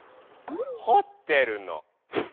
ほってるの。